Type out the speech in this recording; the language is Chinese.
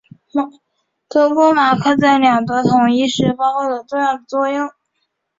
德国马克在两德统一时发挥了重要作用。